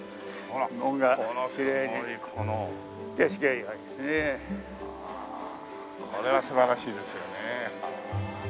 ああこれは素晴らしいですよね。